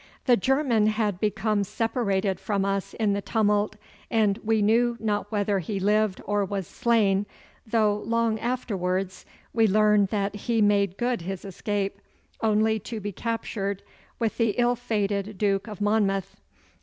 The German had become separated from us in the tumult, and we knew not whether he lived or was slain, though long afterwards we learned that he made good his escape, only to be captured with the ill fated Duke of Monmouth.